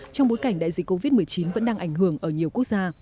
trong bối cảnh đại dịch covid một mươi chín vẫn đang ảnh hưởng ở nhiều quốc gia